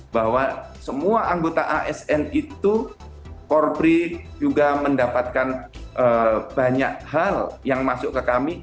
bahwa semua anggota asn itu korpri juga mendapatkan banyak hal yang masuk ke kami